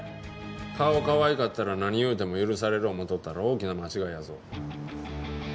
顔かわいかったら何言うても許される思っとったら大きな間違いやぞ。